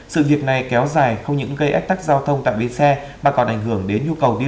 sự việc này kéo dài không những gây ách tắc giao thông tại bến xe mà còn ảnh hưởng đến nhu cầu đi